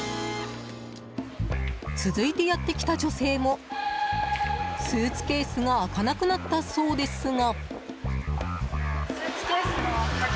続いてやってきた女性もスーツケースが開かなくなったそうですが。